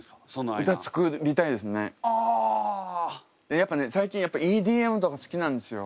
やっぱね最近ＥＤＭとか好きなんですよ。